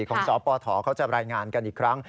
สปฐเขาจะรายงานกันอีกครั้ง